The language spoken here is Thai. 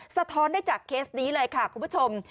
สะท้อนได้จากเคสนี้เลยค่ะคุณผู้ชม